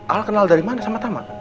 al kenal dari mana sama taman